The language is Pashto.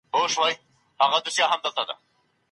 پوهنتون محصلین د پوره قانوني خوندیتوب حق نه لري.